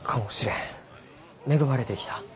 恵まれてきた。